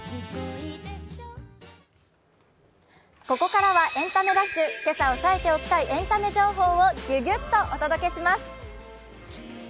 ここからは「エンタメダッシュ」今朝抑えておきたいエンタメ情報をギュギュッとお伝えします。